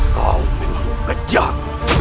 kau memang mau kejar